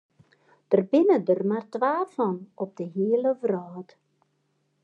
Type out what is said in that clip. Dêr binne der mar twa fan op de hiele wrâld.